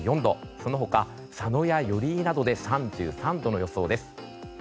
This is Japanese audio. その他、佐野や寄居などで３３度の予想です。